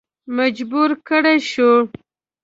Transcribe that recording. مجبور کړه شو.